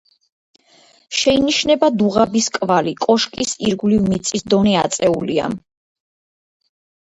შეინიშნება დუღაბის კვალი, კოშკის ირგვლივ მიწის დონე აწეულია.